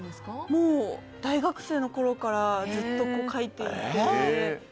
もう大学生のころからずっと描いていて。